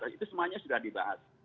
itu semuanya sudah dibahas